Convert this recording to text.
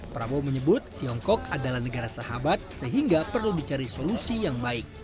prabowo menyebut tiongkok adalah negara sahabat sehingga perlu dicari solusi yang baik